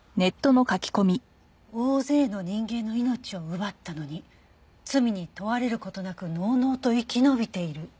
「大勢の人間の命を奪ったのに罪に問われることなくのうのうと生き延びている」